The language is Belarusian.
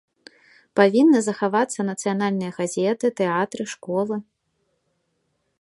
Павінны захавацца нацыянальныя газеты, тэатры, школы.